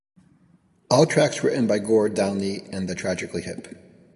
All tracks written by Gord Downie and The Tragically Hip.